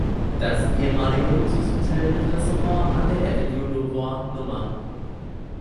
Das ehemalige Luxushotel mit Restaurant an der Avenue Louvois Nr.